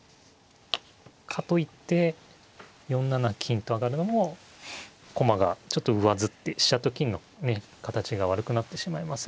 かといって４七金と上がるのも駒がちょっと上ずって飛車と金のね形が悪くなってしまいます。